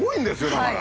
だから。